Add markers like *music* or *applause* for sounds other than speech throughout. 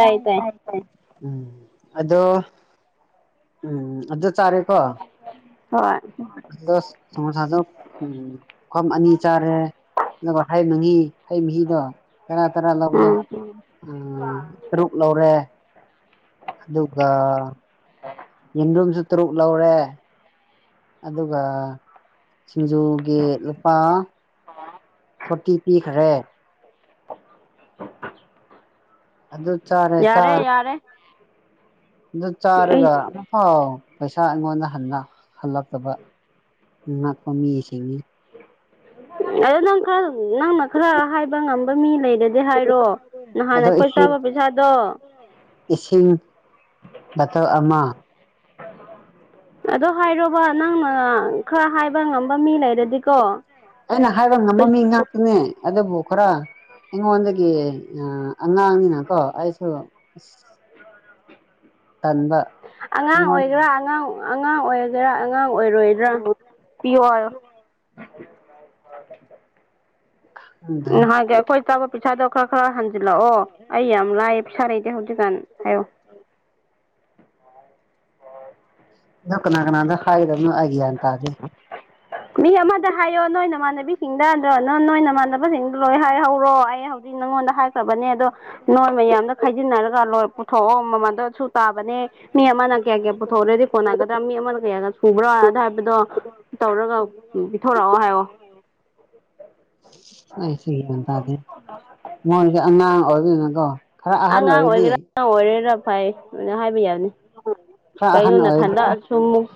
ꯇꯥꯏ ꯇꯥꯏ ꯇꯥꯏ ꯎꯝ ꯑꯗꯣ ꯎꯝ ꯑꯗꯨ ꯆꯥꯔꯦꯀꯣ ꯍꯣꯏ ꯑꯗꯣ ꯁꯣꯁꯥꯗꯣ ꯎꯝ ꯈꯝ ꯑꯅꯤ ꯆꯥꯔꯦ ꯑꯗꯨꯒ ꯍꯩ ꯃꯍꯤ ꯍꯩ ꯃꯍꯤꯗꯣ ꯇꯔꯥ ꯇꯔꯥ ꯂꯧꯕꯗꯣ ꯎꯝ ꯎꯝ ꯇꯔꯨꯛ ꯂꯧꯔꯦ ꯑꯗꯨꯒ ꯑꯔꯣꯝꯁꯨ ꯇꯔꯨꯛ ꯂꯧꯔꯦ ꯑꯗꯨꯒ ꯁꯤꯡꯖꯨꯒꯤ ꯂꯨꯄꯥ ꯐꯣꯔꯇꯤ ꯄꯤꯈ ꯔꯦ ꯑꯗꯨ ꯆꯔꯦ ꯆꯔ ꯎ ꯑꯗꯨ ꯆꯥꯔꯒ ꯐꯥꯎ ꯄꯩꯁꯥ ꯑꯩꯉꯣꯟꯗ ꯍꯟꯅ ꯍꯜꯂꯛꯇꯕ ꯉꯥꯛꯄ ꯃꯤꯁꯤꯡꯅꯤ ꯑꯗꯣ ꯅꯪ ꯈꯔ ꯅꯪꯅ ꯈꯔ ꯍꯥꯏꯕ ꯉꯝꯕ ꯃꯤꯅꯤ ꯂꯩꯔꯗꯤ ꯍꯥꯏꯔꯣ ꯅꯍꯥꯟ ꯑꯗꯣ ꯑꯩꯈꯣꯏ ꯏꯁꯤꯡ ꯆꯥꯕ ꯄꯩꯁꯥꯗꯣ ꯏꯁꯤꯡ ꯇꯧ ꯑꯃ ꯑꯗꯣ ꯍꯥꯏꯔꯣꯕ ꯅꯪꯅ ꯈꯔ ꯍꯥꯏꯕ ꯉ ꯑꯩꯅ ꯍꯥꯏꯕ ꯉꯝꯃꯃꯤ ꯉꯥꯛꯇꯅꯦ ꯑꯗꯨꯕꯨ ꯈꯔ ꯑꯩꯉꯣꯟꯗꯒꯤ ꯑꯉꯥꯡꯅꯤꯅ ꯀꯣ ꯑꯩꯁꯨ ꯑꯁ ꯇꯟꯕ ꯑꯉꯥꯡ ꯑꯩꯉꯣꯟ ꯑꯣꯏꯒꯦꯔꯥ ꯑꯉꯥꯡ ꯑꯉꯥꯡ ꯑꯣꯏꯒꯦꯔꯥ ꯑꯉꯥꯡ ꯑꯣꯏꯔꯣꯏꯗ꯭ꯔꯥ ꯄꯤꯣꯣ ꯈꯪꯗꯦ ꯎꯍꯒꯦ ꯑꯩꯈꯣꯏ ꯆꯥꯕ ꯄꯩꯁꯥꯗꯣ ꯈꯔ ꯈꯔ ꯍꯟꯖꯤꯜꯂꯛꯑꯣ ꯑꯩ ꯌꯥꯝ ꯂꯥꯏꯑ ꯄꯩꯁꯥ ꯂꯩꯇꯦ ꯍꯧꯖꯤꯛꯀꯥꯟ ꯍꯥꯏꯣ *inaudible* ꯂ ꯀꯅꯥ ꯀꯅꯥꯗ ꯈꯥꯏꯗꯅ ꯍꯥꯏꯒꯅ ꯇꯥꯖꯦ ꯃꯤꯍ ꯑꯃꯗ ꯍꯥꯏꯌꯣ ꯅꯣꯏꯅ ꯃꯥꯥꯟꯅꯦ ꯃꯤ ꯁꯤꯡꯗ ꯑꯗꯣ ꯑꯗꯨ ꯅꯣꯏꯅ ꯃꯥꯟꯅꯕꯁꯤꯡꯗꯣ ꯂꯣꯏ ꯍꯥꯏꯍꯧꯔꯣ ꯑꯩ ꯍꯧꯖꯤꯛ ꯅꯉꯣꯟꯗ ꯍꯥꯏ ꯇꯕꯅꯦ ꯑꯗꯣ ꯅꯣꯏ ꯃꯌꯥꯝꯗ ꯈꯥꯏꯖꯤꯟꯅꯔꯒ ꯂꯣꯏ ꯄꯨꯊꯣꯛꯑꯣ ꯃꯃꯜꯗꯣ ꯁ ꯇꯥꯕꯅꯦ ꯃꯤ ꯑꯃꯅ ꯀꯌꯥ ꯀꯌꯥ ꯄꯨꯊꯣꯛꯎꯔꯗꯤ ꯀꯣꯟꯅꯒꯗ꯭ꯔꯥ ꯃꯤ ꯑꯃꯅ ꯀꯩ ꯍꯥꯏꯒ ꯁꯨꯕ꯭ꯔꯥ ꯑꯗꯨ ꯍꯥꯏꯕꯗꯣ ꯇꯧꯔꯒ ꯊꯣꯣꯔꯥ ꯋꯥ ꯍꯥꯏ ꯑꯣ ꯑꯩ ꯁꯤꯕ ꯇꯗꯦ ꯃꯣꯟꯁꯦ ꯑꯉꯥꯡ ꯑꯣꯏꯕꯅꯀꯣ ꯑꯉꯥꯡ ꯑꯣꯏꯒꯦꯔꯥ ꯑꯉꯥꯡ ꯑꯣꯏꯔꯦꯔꯥ ꯐꯩ ꯑꯗꯨꯅ ꯍꯥꯏꯕ ꯌꯥꯕꯅꯤ ꯈꯔ ꯑꯍꯟ ꯀꯩꯅꯣ ꯅ ꯑꯣꯏꯔꯗꯤ ꯊꯟꯗꯛꯑ ꯁꯨꯝꯨꯛ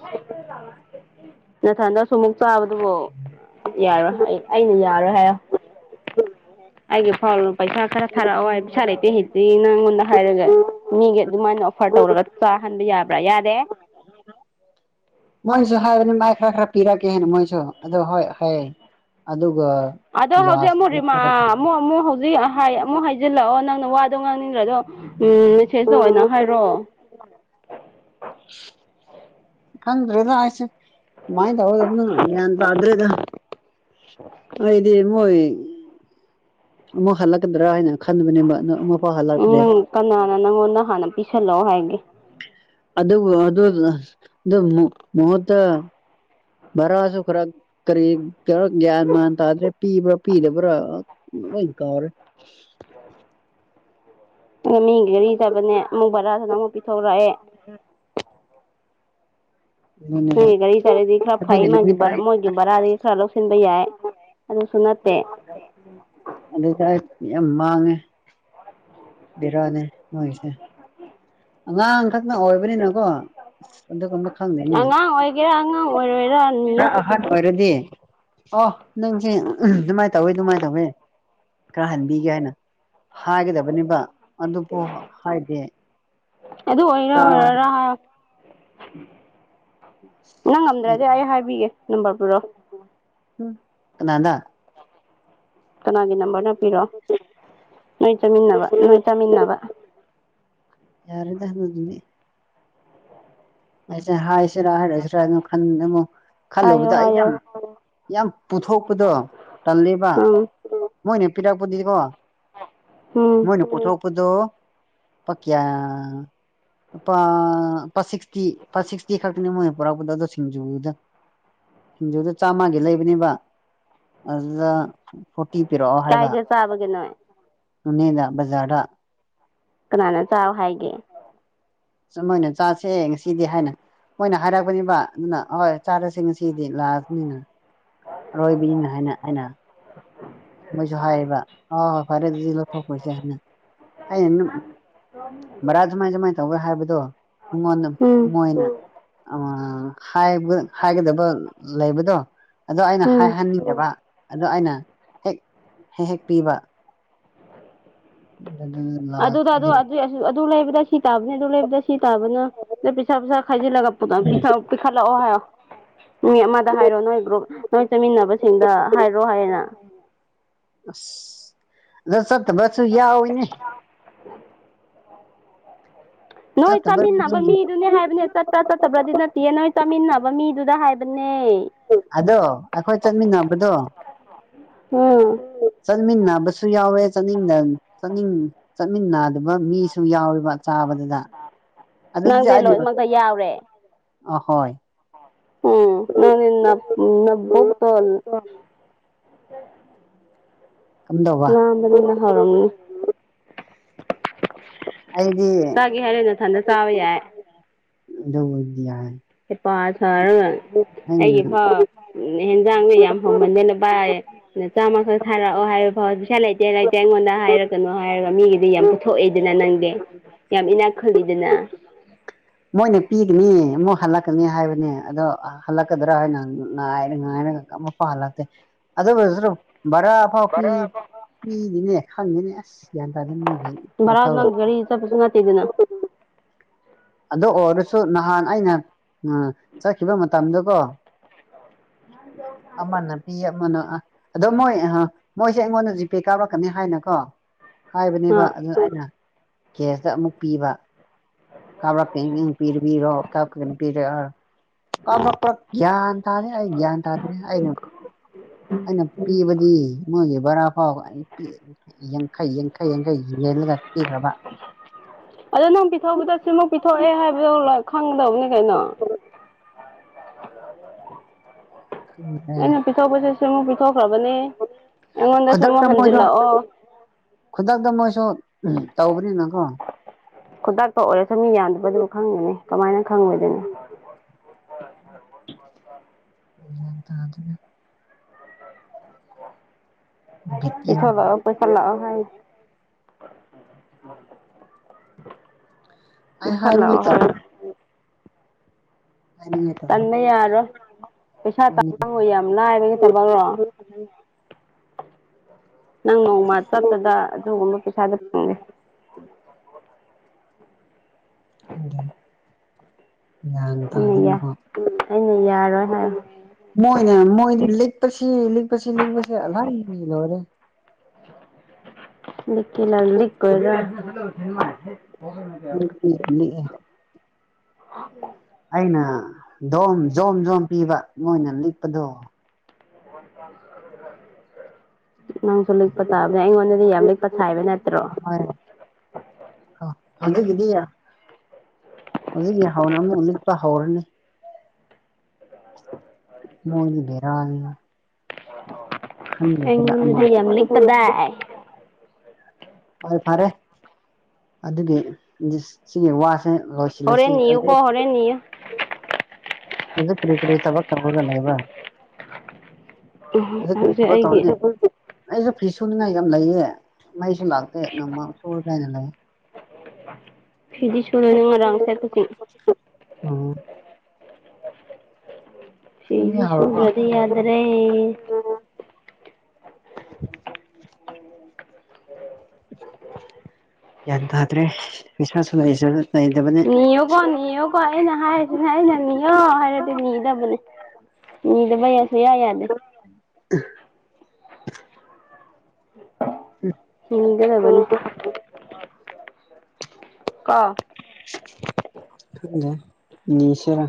ꯅꯊꯟꯗꯁꯨ ꯑꯃꯨꯛ ꯆꯥꯕꯗꯨꯕꯨ ꯌꯥꯔꯣꯏ ꯑꯩ ꯑꯩꯅ ꯌꯥ ꯍꯥꯏ ꯑꯩꯒꯤ ꯐꯥꯎ ꯄꯩꯁꯥ ꯈꯔ ꯊꯥꯔꯛꯑꯣ ꯍꯥꯏ ꯄꯩꯁꯥ ꯂꯩꯇꯦ ꯍꯦꯛꯇꯤ ꯅꯪꯉꯣꯟꯗ ꯍꯥꯏꯔꯒ ꯃꯤꯒꯤ ꯑꯗꯨꯃꯥꯏꯅ ꯑꯣꯐꯔ ꯇꯧꯔꯒ ꯆꯥꯍꯟꯕ ꯌꯥꯕ꯭ꯔꯥ ꯌꯥꯗꯦ ꯍꯂꯣ ꯃꯣꯏꯁꯨ ꯍꯥꯏꯕꯅꯤ ꯃꯥꯏ ꯈꯔ ꯈꯔ ꯄꯤꯔꯛꯀꯦ ꯍꯥꯏꯅ ꯃꯣꯏꯁꯨ ꯑꯗꯨꯣ ꯍꯣꯏ ꯍ ꯑꯗꯨ ꯑꯗꯣ ꯍꯧꯖꯤꯛ ꯑꯃꯨꯛ ꯔꯤꯃꯥ ꯑꯃꯨꯛ ꯑꯃꯨꯛ ꯍꯧꯖꯤꯛ ꯑꯃꯨꯛ ꯍꯥꯏꯖꯤꯜꯂꯛꯑꯣ ꯅꯪꯅ ꯋꯥꯗꯣ ꯉꯥꯡꯅꯤꯡꯈ꯭ꯔꯗꯣ ꯎꯝ ꯃꯦꯁꯦꯁꯇ ꯑꯣꯏꯅ ꯍꯥꯏꯔꯛꯑꯣ ꯈꯪꯗ꯭ꯔꯦꯗ ꯑꯩꯁꯦ ꯀꯃꯥꯏꯅ ꯇꯧꯒꯗꯕꯅꯣ ꯒ꯭ꯌꯥꯟ ꯇꯥꯗ꯭ꯔꯣꯏꯗ ꯑꯩꯗꯤ ꯃꯣꯏ ꯑꯃꯨꯛ ꯍꯜꯂꯛꯀꯗ꯭ꯔꯥ ꯍꯥꯏꯅ ꯈꯟꯕꯅꯦꯕ ꯑꯃꯨꯛ ꯎꯝ ꯅꯪ ꯀꯅꯥꯅ ꯅꯪꯉꯣꯟꯗ ꯍꯥꯟꯅ ꯄꯤꯤꯁꯜꯂꯛꯑꯣ ꯍꯥꯏꯒꯦ ꯑꯗ ꯑꯗꯨ ꯑꯗꯨ ꯃ ꯃꯠꯇ ꯚꯔꯥꯁꯨ ꯈꯔ ꯀꯔꯤ ꯈꯔ ꯒ꯭ꯌꯥꯟ ꯃꯥꯟ ꯇꯥꯗ꯭ꯔꯦ ꯄꯤꯕ꯭ꯔꯥ ꯄꯤꯗꯕ꯭ꯔꯥ ꯍ ꯀꯔ ꯑ ꯃꯤꯒꯤ ꯒꯥꯔꯤ ꯆꯠꯕꯅꯦ ꯑꯃꯨꯛ ꯕꯔꯥꯗꯨꯅ ꯑꯃꯨꯛ ꯄꯤꯊꯣꯛꯂꯛꯑꯦ ꯑꯗꯨꯅꯦꯕ ꯅꯣꯏꯒꯤ ꯒꯥꯔꯤ ꯇꯔꯤꯗꯤ ꯈꯔ ꯐꯩ ꯑꯗꯨꯒꯤ ꯃꯥꯒꯤ ꯅꯨꯃꯤꯠꯇ ꯑꯩ ꯃꯣꯏꯒꯤ ꯕꯔꯥꯗꯒꯤ ꯈꯔ ꯂꯧꯁꯤꯟꯕ ꯌꯥꯏ ꯑꯗ ꯁꯨꯅꯠꯇꯦ ꯑꯗ ꯆ ꯌꯥꯝ ꯃꯥꯉ ꯦꯔꯅꯦ ꯃꯣꯏꯁ ꯑꯉꯥꯡꯈꯛꯅ ꯑꯣꯏꯕꯅꯤꯅꯀꯣ ꯑꯗꯨꯨꯝꯕ ꯈꯪꯗꯦꯅꯦ ꯑꯉꯥꯡ ꯑꯣꯏꯒꯦꯔꯥ ꯑꯉꯥꯡ ꯑꯣꯏꯔꯣꯏꯔꯥ ꯅꯤꯌꯨ ꯑꯣꯏ ꯗꯤ ꯑꯣ ꯅꯪꯁꯦ ꯑꯗꯨꯃꯥꯏꯅ ꯇꯧꯋꯤ ꯑꯗꯨꯃꯥꯏꯅ ꯇꯧꯋꯤ ꯈꯔ ꯍꯟꯕꯤꯒꯦ ꯍꯥꯏꯅ ꯍꯥꯏꯒꯗꯕꯅꯦꯕ ꯑꯗꯨꯕꯨ ꯍꯥꯏꯗꯤ ꯑꯗꯨ ꯑꯣꯏꯔ ꯑꯣꯏꯔꯔ ꯍꯥꯏ ꯅꯪ ꯉꯝꯗ꯭ꯔꯗꯤ ꯎꯝ ꯑꯩ ꯍꯥꯏꯕꯤꯒꯦ ꯅꯝꯕꯔ ꯄꯨꯔꯣ ꯀꯅꯥꯗꯥ ꯀꯅꯥꯒꯤ ꯅꯝꯕꯔꯅ ꯄꯤꯔꯣ ꯅꯣꯏ ꯆꯥꯃꯤꯟꯅꯕ ꯅꯣꯏ ꯆꯥꯃꯤꯟꯅꯕ ꯌꯥꯔꯦ ꯇ ꯍ ꯑꯗꯨꯅꯤ ꯑꯩꯁꯦ ꯍꯥꯏꯁꯤꯔꯥ ꯍꯥꯏꯔꯛꯁꯤꯔꯥ ꯈ ꯑꯃꯨ ꯍꯥꯏꯌꯣ ꯈꯜꯂꯨꯕꯗ ꯑꯩ ꯍꯥꯏꯌꯣ ꯌꯥꯝ ꯌꯥꯝ ꯄꯨꯊꯣꯛꯄꯗꯣ ꯇꯜꯂꯤꯕ ꯎꯝ ꯃꯣꯏꯅ ꯄꯤꯔꯛꯄꯗꯨꯗꯤꯀꯣ ꯎꯝ ꯃꯣꯏꯅꯦ ꯄꯊꯣꯛ ꯗꯣ ꯄ ꯀꯌꯥ ꯑ ꯁꯤ ꯤ ꯁꯤꯛꯁꯇꯤ ꯈꯛꯇꯤꯅꯤ ꯃꯣꯏꯅ ꯄꯨꯔꯛꯄꯗ ꯑꯗꯣ ꯁꯤꯡꯖꯨꯗ ꯁꯤꯡꯖꯨꯗꯨ ꯆꯥꯝꯃꯒꯤ ꯂꯩꯕꯅꯦꯕ ꯑꯗꯨꯗ ꯀꯥꯏꯖꯦ ꯆꯕꯒ ꯅꯦ ꯁꯅꯦꯗ ꯕꯖꯥꯔꯥ ꯀꯅꯥꯅ ꯆꯥꯎ ꯍꯥꯏꯒꯦ ꯁ ꯃꯣꯏꯅ ꯆꯥꯁꯦ ꯉꯁꯤꯗꯤ ꯍꯥꯏꯅ ꯃꯣꯏꯅ ꯍꯥꯏꯔꯛꯄꯅꯤꯕ ꯑꯗꯨꯅ ꯍꯍꯣꯏ ꯆꯥꯔꯁꯤ ꯉꯁꯤꯗꯤ ꯂꯥꯛꯑꯕꯅꯤꯅ ꯔꯣꯏꯕꯃ ꯍꯥꯏꯦꯅ ꯍꯦꯟꯅ ꯃꯣꯏꯁꯨ ꯍꯥꯏꯌꯦꯕ ꯑ ꯍꯣꯏ ꯐꯔꯦ ꯑꯗꯨꯗꯤ ꯂꯧꯊꯣꯛꯄꯁꯦꯅ ꯑꯩꯅ ꯑꯗꯨꯝ ꯕꯔꯥ ꯖꯃꯥꯏ ꯁꯖꯃꯥꯏꯅ ꯇꯧꯒꯦ ꯍꯥꯏꯕꯗꯣ ꯃꯉꯣꯟꯗ ꯎꯝ ꯃꯣꯏꯅ ꯍꯥꯏꯒꯗꯕ ꯂꯩꯕꯗꯣ ꯑꯣ ꯑꯩꯅ ꯎꯝ ꯍꯥꯏꯍꯟꯅꯤꯡꯗꯕ ꯑꯗ ꯑꯩꯅ ꯍꯦꯛ ꯍꯦꯛ ꯍꯦꯛ ꯄꯤꯕ ꯑꯗꯨ ꯑꯗꯨꯗ ꯑꯗꯨ ꯑꯗꯨ ꯂꯩꯕꯗ ꯁꯤ ꯇꯥꯕꯅꯤ ꯑꯗꯨ ꯂꯩꯕꯗ ꯁꯤ ꯇꯥꯕꯅ ꯑꯗꯨ ꯄꯩꯁꯥ ꯄꯩꯁꯥ ꯈꯥꯏꯖꯤꯜꯂꯒ ꯄꯨ ꯄꯤꯁꯥ ꯄꯤ ꯈꯥ ꯂꯑꯣ ꯍꯥꯏ ꯃꯤ ꯑꯃꯗ ꯍꯥꯏꯔꯣ ꯅꯣꯏ ꯒ꯭ꯔꯨꯞ ꯅꯣꯏ ꯆꯠꯃꯤꯟꯅꯕꯁꯤꯡꯗ ꯍꯥꯏꯔꯣ ꯍꯥꯏꯌꯦꯅ ꯑ ꯑꯗꯣ ꯁꯠ ꯁ ꯌꯥ ꯑꯣꯏꯣꯏ ꯅ ꯎꯝ ꯅꯣꯏ ꯆꯠꯇꯕ ꯆꯥꯃꯤꯟꯅꯕ ꯃꯤꯗꯨꯅꯦ ꯍꯥꯏꯕꯅꯦ ꯆꯠꯇꯄ꯭ꯔꯥ ꯆꯠꯇꯕ꯭ꯔꯗꯤ ꯅꯠꯇꯦꯌꯦ ꯅꯣꯏ ꯇꯃꯤꯟꯅꯕ ꯃꯤꯗꯨꯗ ꯍꯥꯏꯕꯅꯦ ꯑꯗꯣ ꯑꯩꯈꯣꯏ ꯆꯠꯃꯤꯟꯅꯕꯗꯣ ꯎꯝ ꯆꯠꯃꯤꯟꯅꯕ ꯁꯨ ꯌꯥꯎꯋꯦ ꯆꯠꯅꯤꯡꯗ ꯆꯠꯅꯤꯡ ꯆꯠꯃꯤꯟꯅꯗꯕ ꯃꯤꯁꯨ ꯌꯥꯎꯋꯦꯕ ꯆꯥꯕꯗꯨꯗ ꯑꯗꯨꯗꯤ ꯅꯪꯗꯤ ꯂꯣꯏꯅꯃꯛꯇ ꯌꯥꯎꯔꯦ ꯑꯍꯣꯏ ꯎꯝ ꯅ ꯅꯣꯛꯇꯜ ꯀꯝꯗꯧꯕ ꯂꯝꯕꯅꯤꯅ ꯍꯧꯥꯎꯔꯝꯅꯤ *inaudible* ꯆꯥꯒꯦ ꯍꯥꯏꯔꯦ ꯅꯊꯟꯗ ꯆꯥꯕ ꯌꯥꯏ ꯗꯧꯕꯗꯦ ꯏꯄꯥ ꯁꯔꯒ ꯑꯩꯅ ꯑꯩꯒꯤ ꯐꯥꯎ ꯑꯦꯟꯖꯥꯡꯁ ꯌꯥꯝ ꯍꯧꯃꯟꯗꯦꯅ ꯄꯥꯏ ꯆꯥꯝꯃꯈꯛ ꯊꯥꯔꯛꯑꯣ ꯍꯥꯏꯕ ꯐꯥꯎ ꯄꯩꯁꯥ ꯂꯩꯇꯦ ꯂꯩꯇꯦ ꯑꯩꯉꯣꯟꯗ ꯍꯥꯏꯔꯛꯀꯅꯨ ꯍꯥꯏꯔꯒ ꯃꯤꯒꯤꯗꯤ ꯌꯥꯝ ꯄꯨꯊꯣꯛꯑꯦꯗꯅ ꯅꯪꯗꯤ *inaudible* ꯃꯤꯅꯥ ꯈꯜꯂꯤꯗꯅ ꯃꯣꯏꯅ ꯄꯤꯒꯅꯤ ꯑꯃꯨꯛ ꯍꯜꯂꯛꯀꯅꯤ ꯍꯥꯏꯕꯅꯦ ꯑꯗꯣ ꯍꯜꯂꯛꯀꯗ꯭ꯔꯥ ꯍꯥꯏꯅ ꯉꯥꯏꯔ ꯉꯥꯏꯔ ꯃ ꯐꯥꯂꯦ ꯑꯗꯣ꯭ꯔꯣ ꯕꯔꯥꯐꯥꯎ ꯄꯤ ꯚꯔꯥ ꯐꯥꯎ ꯄꯤꯗꯤꯅꯦ ꯈꯪꯉꯦꯅꯦ ꯑꯁ ꯀꯟ ꯇꯥ ꯑꯗꯨꯒꯤ ꯃꯈ ꯅꯪ ꯒꯥꯔꯤ ꯆꯠꯄꯁꯨ ꯅꯠꯇꯦꯗꯅ ꯑꯗꯨ ꯑꯣꯏꯔꯁꯨ ꯅꯍꯥꯟ ꯑꯩꯅ ꯎ ꯆꯠꯈꯤꯕ ꯃꯇꯝꯗꯨ ꯀꯣ ꯑꯃꯅꯕꯤ ꯑꯃꯅ ꯑ ꯑꯗꯣ ꯃꯣꯏ ꯃꯣꯏꯁꯦ ꯑꯩꯉꯣꯟꯗ ꯖꯤꯄꯦ ꯀꯥꯎꯔꯛꯀꯅꯤ ꯍꯥꯏꯅꯀꯣ ꯍꯥꯏꯕꯅꯦꯕ ꯑꯥ ꯑꯗꯨꯩꯅ ꯀꯦꯁꯇ ꯑꯃꯨꯛ ꯄꯤꯕ ꯀꯕ ꯄꯤꯔꯕꯤꯔꯣ ꯀ ꯀꯩꯅꯔ ꯀ ꯇꯥꯗꯦ ꯑꯩ ꯒ꯭ꯌꯥꯟ ꯇꯥꯗ꯭ꯔꯦ ꯑꯩꯅ ꯑꯩꯅ ꯄꯤꯕꯗꯤ ꯃꯣꯏꯒꯤ ꯕꯔꯐꯥꯎ ꯏ ꯌꯥꯡꯈꯩ ꯌꯥꯡꯈꯩ ꯌꯥꯡꯈꯩ ꯌꯦꯜꯂꯒ ꯄꯤꯈ꯭ꯔꯕ ꯑꯗꯣ ꯅꯪ ꯄꯤꯊꯣꯛꯄꯗ ꯄꯤꯊꯣꯛꯑꯦ ꯍꯥꯏꯕꯗꯣ ꯈꯪꯒꯗꯕꯅꯤ ꯀꯩꯅꯣ ꯈꯪꯗ꯭ꯔꯦ ꯑꯩꯅ ꯄꯤꯊꯣꯛꯄꯁꯤ ꯁꯤ ꯑꯃꯨꯛ ꯄꯤꯊꯣꯛꯈ꯭ꯔꯕꯅꯦ ꯑꯩꯉꯣꯟꯗꯁꯨ ꯈꯨꯗꯛꯇ ꯑꯃꯨꯛ ꯃꯣꯏꯁꯨ ꯍꯟꯖꯤꯜꯂꯛꯑꯣ ꯈꯨꯗꯛꯇ ꯃꯣꯏꯁꯨ ꯇꯧꯕꯅꯤꯅꯀꯣ ꯈꯨꯇꯥꯛꯇ ꯑꯣꯏꯔ ꯁꯃꯤ ꯌꯥꯟꯗꯕꯗꯨꯕꯨ ꯈꯪꯒꯅꯤ ꯀꯃꯥꯏꯅ ꯈꯪꯕꯣꯏꯗꯅꯣ ꯎ ꯇ ꯑꯗꯨꯒ ꯄꯊꯣ ꯂꯥꯛꯑꯣ ꯄꯩꯁꯥ ꯂꯥꯛꯑꯣ ꯍꯥꯏ ꯍꯥꯏꯌꯨ *inaudible* ꯍꯥꯏꯅꯤꯡꯉꯥꯏ ꯇꯧ ꯇꯟꯕ ꯌꯥꯔꯣꯏ ꯄꯩꯁꯥ ꯍꯥꯏꯅꯤꯡꯉꯥꯏ ꯇꯥꯡꯉꯨ ꯌꯥꯝ ꯂꯥꯏꯕꯒꯤ ꯊꯕꯛꯔꯣ ꯅꯪ ꯅꯣꯡꯃ ꯆꯠꯄꯗ ꯑꯗꯨꯒꯨꯝꯕ ꯄꯩꯁꯥꯗ ꯐꯦ ꯑꯗꯨꯗ ꯒ꯭ꯌꯥꯟ ꯑꯩꯅ ꯌꯥ ꯇꯥꯅꯤꯡꯀꯣ ꯑꯩꯅ ꯌꯥꯔꯣꯏ ꯍꯥꯏꯌꯣ ꯃꯣꯏꯅ ꯃꯣꯏꯗꯤ ꯂꯤ ꯂꯤ ꯄ ꯂꯤ ꯄ ꯑꯜꯍ ꯂꯧꯔꯦ ꯂ ꯃꯣꯏꯗꯤ ꯂꯤꯛꯑꯦ *unintelligible* ꯑꯩꯅ ꯗꯨꯝ ꯖꯣꯝ ꯖꯣꯝ ꯄꯤꯕ ꯃꯣꯏꯅ ꯂꯤꯛꯄꯗꯣ *unintelligible* *inaudible* ꯅꯪꯁꯨ ꯂꯤꯛꯄ ꯇꯥꯕꯅꯦ ꯑꯩꯉꯣꯟꯗꯗꯤ ꯌꯥꯝ ꯂꯤꯛꯄ ꯁꯥꯏꯕ ꯅꯠꯇ꯭ꯔꯣ ꯑ ꯑꯗꯨꯗꯒꯗꯌꯥ ꯍꯧꯖꯤꯛꯀꯤ ꯍꯧꯅ ꯑꯃꯨꯛ ꯂꯤꯛꯄ ꯍꯧꯔꯅꯤ ꯃꯣꯏꯗꯤ ꯕꯦꯔꯥꯅꯤꯅ *unintelligible* *inaudible* ꯑꯩꯉꯣꯟꯗꯗꯤ ꯌꯥꯝ ꯂꯤꯛꯄꯗꯥꯏ ꯐꯔꯦ ꯐꯔꯦ ꯑꯗꯨꯒꯤ ꯁꯤꯒꯤ ꯋꯥ ꯍꯁꯤꯂꯁꯤ ꯍꯣꯔꯦꯟ ꯑꯗꯨ ꯅꯤꯌꯨꯀꯣ ꯍꯣꯔꯦꯟ ꯅꯤꯌꯨ ꯍꯧꯖꯤꯛ ꯀꯔꯤ ꯀꯔꯤ ꯇꯕ ꯀꯔꯃꯗꯂ ꯏꯕ ꯑ ꯀꯩ ꯍꯧꯖꯤꯛ ꯁꯕ ꯇꯧ ꯑꯩꯒꯤ ꯑꯩꯁꯨ ꯐꯤ ꯁꯨꯅꯤꯡꯉꯥꯏ ꯌꯥꯝ ꯂꯩꯌꯦ ꯃꯩꯁꯨ ꯂꯥꯛꯇꯦ ꯅꯣꯡꯃ ꯁꯨꯔ ꯀꯥꯏꯅ ꯂꯩ ꯐꯤꯗꯤ ꯁꯨꯗꯣꯏꯅꯤ ꯉꯔꯥꯡ ꯁꯦꯠꯄꯁꯤ *unintelligible* *inaudible* ꯁꯤꯗꯤ ꯁꯨꯅꯤꯡꯉꯥꯏ ꯍꯧꯔꯕꯣ ꯁꯜꯗꯤ ꯌꯥꯗ꯭ꯔꯦ ꯌꯥꯗ꯭ꯔꯦꯁꯁꯤ ꯅꯤꯌꯣꯀꯣ ꯅꯤꯌꯣꯀꯣ ꯑꯩꯅ ꯍꯥꯏꯔꯁꯤꯅꯦ ꯑꯩꯅ ꯅꯤꯌꯣ ꯍꯥꯏꯔꯗꯤ ꯅꯤꯗꯕꯅꯦ ꯃꯤꯗ ꯩꯌꯥꯁꯨ ꯌꯥ ꯌꯥꯗ *unintelligible* ꯍꯝꯒꯗꯕꯅꯤ ꯀꯪ ꯃꯤꯁꯔ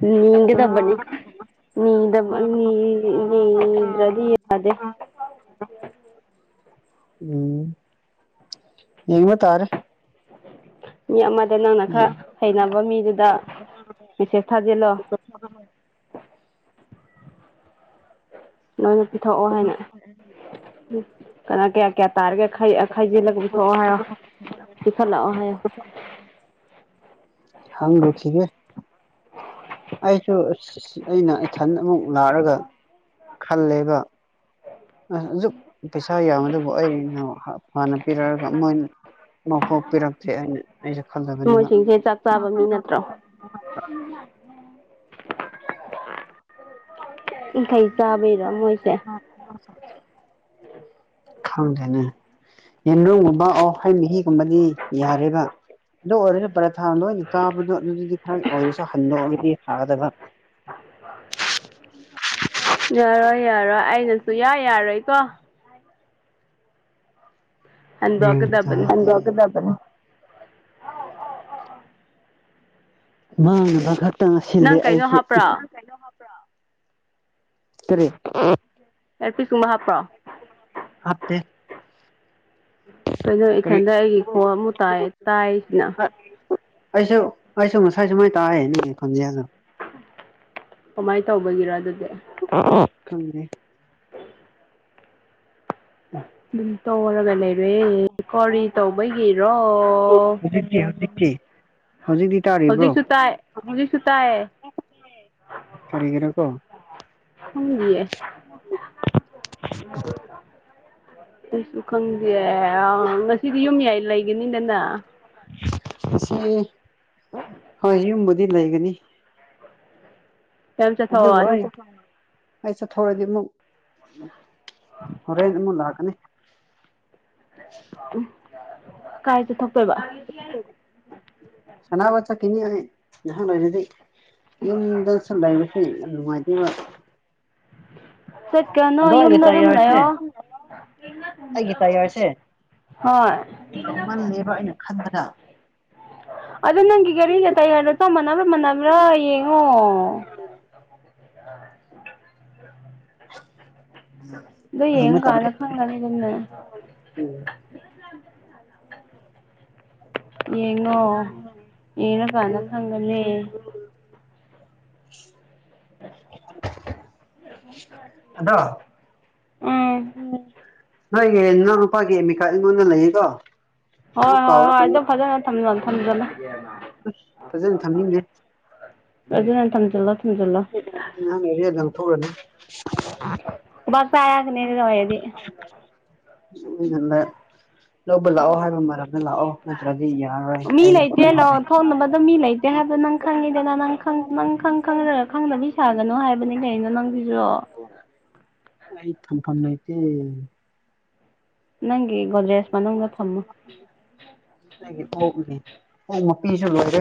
ꯅꯒꯗꯕꯅꯤ ꯃꯤꯗꯗ꯭ꯔꯗꯤꯗꯦ ꯎꯝ ꯌꯦꯒꯤ ꯃ ꯇꯥꯔꯦ ꯃꯤ ꯑꯃꯗ ꯅꯪꯅ ꯈꯔ ꯌꯦꯡꯕ ꯍꯩꯅꯕ ꯃꯤꯗꯨꯗ ꯃꯦꯁꯦꯖ ꯊꯥꯖꯤꯜꯂꯣ ꯅꯣꯏꯅ ꯄꯤꯊꯣꯛꯑꯣ ꯍꯥꯏꯅ ꯀꯅꯥ ꯀꯌꯥ ꯀꯌꯥ ꯇꯥꯔꯤꯒꯦ ꯈꯩꯖꯤꯜꯂꯒ ꯄꯨꯊꯑꯣ ꯍꯥꯏꯔꯣ ꯄ ꯈꯜꯂꯥꯛꯑꯣ ꯍꯥꯏ ꯍꯪꯔꯨꯈꯤꯒꯦ ꯑꯩꯁꯨ ꯑꯁ ꯑꯩꯅ ꯏꯊꯟ ꯑꯃꯨꯛ ꯂꯥꯛꯔꯒ ꯈꯜꯂꯦꯕ ꯑꯁ ꯑꯗꯨꯁꯨꯛ ꯄꯩꯁꯥ ꯌꯥꯝꯕ ꯑꯗꯨꯕꯨ ꯑꯩꯅ ꯍꯥꯟꯅ ꯄꯤꯔꯛꯑꯒ ꯃꯣꯏ ꯃꯐꯣꯛ ꯄꯤꯔꯛꯇ꯭ꯔꯦ ꯑꯩꯅ ꯃ ꯃꯣꯏꯁꯤꯡꯁꯦ ꯆꯥꯛ ꯆꯥꯕ ꯃꯤ ꯅꯠꯇ꯭ꯔꯣ ꯌꯥꯡꯈꯩ ꯆꯥꯕꯩꯔꯣ ꯃꯣꯏꯁꯦ ꯎꯝ ꯈꯪꯗꯦꯅꯦ ꯌꯦꯟꯅꯨꯡꯒꯨꯝꯕ ꯑꯣ ꯍꯣꯏ ꯃꯍꯤꯒꯨꯝꯕꯗꯤ ꯌꯥꯔꯦꯔꯤꯕ ꯑꯗꯨ ꯑꯣꯏꯔꯗꯤ ꯄꯔꯥ ꯊꯥ ꯂꯣꯏꯅ ꯆꯥꯕꯗꯣ ꯑꯗꯨꯗꯤ ꯈꯔ ꯑꯣꯏꯔꯁꯨ ꯍꯟꯗꯣ ꯑꯣꯏꯔꯗꯤ ꯊꯥꯒꯗꯕ ꯑ ꯌꯥꯔꯣꯏ ꯌꯥꯔꯣꯏ ꯑꯩꯅꯁꯨ ꯌꯥꯏ ꯌꯥꯔꯣꯏꯀꯣ ꯎꯅꯤ ꯍꯟꯗꯣꯛꯀꯗꯕꯅꯤ ꯃꯥ ꯃꯈ ꯈꯔ ꯇ ꯁꯤꯂꯦ ꯅꯪ ꯀꯩꯅꯣ ꯑꯩꯁꯦ ꯍꯥꯞꯄ꯭ꯔꯣ ꯀꯔꯤ ꯑꯦꯔꯄꯤꯤꯁꯨꯝꯕ ꯍꯥꯞꯄ꯭ꯔꯣ ꯍꯥꯞꯇꯦ ꯀꯩꯅꯣ ꯀꯔꯤ ꯏꯊꯟꯗ ꯑꯩꯒꯤ ꯈꯣꯡ ꯑꯃꯨꯥꯏ ꯇꯥꯏꯁꯤꯅ ꯑꯩꯁꯨ ꯑꯩꯁꯨ ꯉꯁꯥꯏꯁꯨ ꯃꯥꯏ ꯇꯥꯑꯣꯟꯖꯁꯨ ꯀꯃꯥꯏꯅ ꯇꯧꯕꯒꯤꯔ ꯑꯗꯨꯗꯤ ꯈꯪꯦ ꯑꯗꯨꯝ ꯇꯧꯔꯒ ꯂꯩꯔꯍꯦ ꯀꯔꯤ ꯇꯧꯕꯒꯤꯔꯣ ꯍꯧꯖꯤꯛꯇꯤ ꯍꯧꯖꯤꯛꯇꯤ ꯍꯧꯖꯤꯛꯇꯤ ꯇꯥꯔꯤꯕ꯭ꯔꯣ ꯍꯧꯖꯤꯛꯁꯨ ꯇꯥꯏ ꯍꯧꯖꯤꯛꯁꯨ ꯇꯥꯏꯌꯦ ꯈꯔꯤꯒꯤꯔꯦꯀꯣ ꯎꯝ ꯀꯩꯁꯨ ꯈꯪꯗꯦ ꯑ ꯉꯁꯤꯗꯤ ꯌꯨꯝꯌꯥꯏ ꯂꯩꯒꯅꯤꯗꯅ ꯑꯁꯤ ꯍꯣꯏ ꯌꯨꯝꯕꯨꯗꯤ ꯂꯩꯒꯅꯤ ꯀꯩꯝ ꯑꯗꯨꯕꯨ ꯑꯩ ꯆꯠꯊꯣꯛꯑꯣꯏ ꯑꯩꯁ ꯊꯔꯗꯤ ꯑꯃꯨꯛ ꯍꯣꯔꯦꯟ ꯑꯃꯨ ꯂꯥꯛꯀꯅꯤ ꯀꯥꯏ ꯆ ꯊꯛ ꯁꯅꯥ ꯑꯆꯥ ꯀꯅꯤ ꯂꯗꯤ ꯌꯨꯝꯗꯁꯨ ꯂꯩꯕꯁꯦ ꯌꯥꯝ ꯅꯨꯡꯉꯥꯏꯇꯦꯕ ꯆꯠꯀꯅꯣ ꯗꯏꯒ ꯌꯨꯝꯗ ꯇ ꯑꯗꯨꯝ ꯌꯥꯔꯁ ꯂꯩꯌꯣ ꯑꯩꯒꯤ ꯇꯌꯥꯔꯁꯦ ꯍꯣꯏ ꯌꯥꯝꯃꯜꯂꯦꯕ ꯑꯩꯅ ꯈꯟꯕꯗ ꯑꯗ ꯅꯪꯒꯤ ꯒꯥꯔꯤꯁꯦ ꯇꯩ ꯍꯥꯏꯔ ꯆꯞ ꯃꯥꯟꯅꯕ꯭ꯔꯥ ꯃꯥꯟꯅꯕ꯭ꯔꯥ ꯌꯦꯡꯉꯣ ꯎ ꯏꯗꯣ ꯌꯦꯟ ꯌꯦꯡꯕ ꯀꯂ ꯇꯥꯔꯦ ꯐꯒ ꯑꯗꯨꯟꯅ ꯎꯝ ꯌꯦꯡꯉꯣ ꯌꯦꯡꯉꯀꯥꯟꯗ ꯈꯪꯒꯅꯤ ꯑ ꯑꯗꯣ ꯑ ꯅꯣꯏꯒꯤ ꯏꯅꯥꯎ ꯅꯨꯄꯥꯒꯤ ꯑꯦꯃꯤꯀꯥ ꯑꯩꯉꯣꯟꯗ ꯂꯩꯌꯦꯀꯣ ꯍꯣꯏ ꯍꯣꯏ ꯀꯥꯎ ꯍꯣꯏ ꯑꯗꯨꯝ ꯐꯖꯅ ꯊꯝꯖꯜꯂꯣ ꯊꯝꯖꯜꯂꯣ ꯐꯖꯅ ꯊꯝꯅꯤꯡꯁꯦ ꯐꯖꯅ ꯊꯝꯖꯜꯂꯣ ꯊꯝꯖꯜꯂꯣ ꯂ ꯊꯔꯅꯦ ꯁꯔ ꯀꯅꯤꯔꯤ ꯇꯋꯥꯗꯤ ꯎꯅꯗ ꯂꯧꯕ ꯂꯥꯛꯑꯣ ꯍꯥꯏꯕ ꯃꯔꯝꯗ ꯂꯥꯛꯑꯣ ꯅꯠꯇ꯭ꯔꯗꯤ ꯌꯥꯔꯔꯣꯏ ꯃꯤ ꯑꯩ ꯑꯣ ꯅꯪ ꯈꯪꯉꯤꯗꯅ ꯅꯪ ꯅꯪ ꯈꯪꯒ ꯈꯪꯗꯕꯤ ꯁꯥꯒꯅꯣ ꯍꯥꯏꯕꯅꯤ ꯀꯩꯅꯣ ꯅꯪꯒꯤꯁꯨꯔꯣ ꯑꯩ ꯊꯝ ꯐꯝꯂꯩꯇꯦ ꯅꯪꯒꯤ ꯒꯣꯗ꯭ꯔꯦꯖ ꯃꯅꯨꯡꯗ ꯊꯝꯃꯨ *unintelligible* ꯑꯣ ꯃꯄꯤꯁꯨ ꯂꯣꯏꯔꯦ